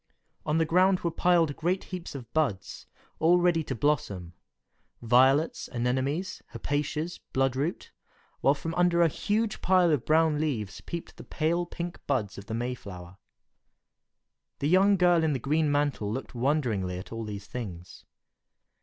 On the ground were piled great heaps of buds, all ready to blossom; violets, anemones, hepaticas, blood root, while from under a huge pile of brown leaves peeped the pale pink buds of the Mayflower. The young girl in the green mantle looked wonderingly at all these things.